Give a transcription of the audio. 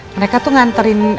mereka tuh nganterin